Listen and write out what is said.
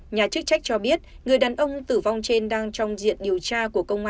nhà chức trách cho biết người đàn ông tử vong trên đang trong diện điều tra của công an